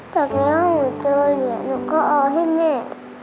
จากในห้องหนูเจอเหรียญหนูก็เอาให้แม่